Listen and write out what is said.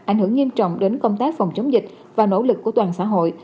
ảnh hưởng nghiêm trọng đến công tác phòng chống dịch và nỗ lực của toàn xã hội